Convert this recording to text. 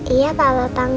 iya papa pangeran